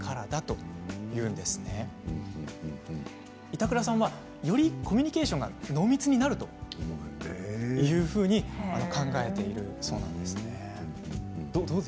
板倉さんは、よりコミュニケーションが濃密になるというふうに考えているそうなんです。